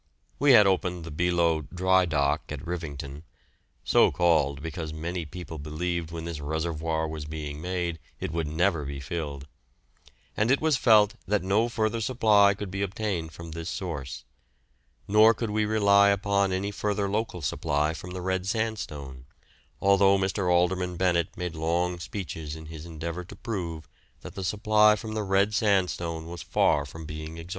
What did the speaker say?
We had opened the Beloe "dry dock" at Rivington (so called because many people believed when this reservoir was being made it would never be filled), and it was felt that no further supply could be obtained from this source; nor could we rely upon any further local supply from the red sandstone, although Mr. Alderman Bennett made long speeches in his endeavour to prove that the supply from the red sandstone was far from being exhausted.